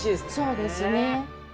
そうですね。